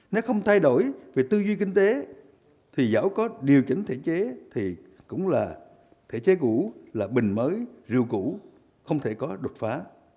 nếu không thay đổi về tư duy kinh tế thì dẫu có điều chỉnh thể chế thì cũng là thể chế cũ là bình mới rượu cũ không thể có đột phá